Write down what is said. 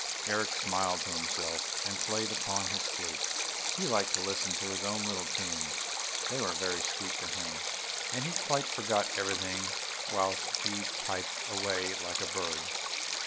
Eric smiled to himself, and played on his flute; he liked to listen to his own little tunes; they were very sweet to him, and he quite forgot everything whilst he piped away like a bird.